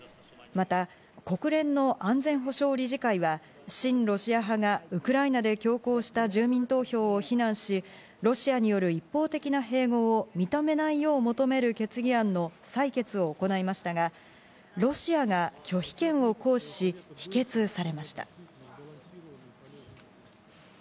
また国連の安全保障理事会は新ロシア派がウクライナで強行した住民投票を非難し、ロシアによる一方的な併合を認めないよう求める決議案の採決を行いましたが、ロシアが拒否権を行使し、否決されました。